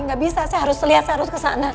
gak bisa saya harus liat saya harus kesana